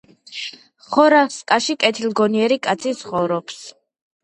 ხორასანში კეთილგონიერი კაცი ცხოვრობს.